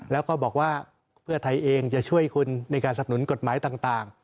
แล้วก็บอกว่าเพื่อไทยเองจะช่วยคุณในการสนุนกฎหมายต่าง